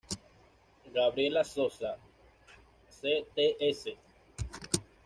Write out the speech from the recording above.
Gabriela Sosa, Cts.